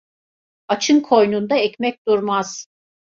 Açın koynunda ekmek durmaz.